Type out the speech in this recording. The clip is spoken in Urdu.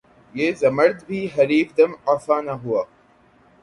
یہ زمرد بھی حریف دم افعی نہ ہوا